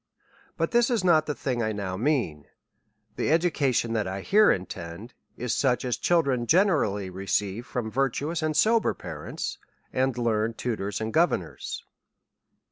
But this is not the thin«' I now mean : the education that I here intend, is such as children generally re ceive from virtuous and sober parents, and learned tu tors and governors.